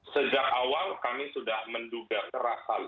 sejak awal kami sudah menduga keras hal itu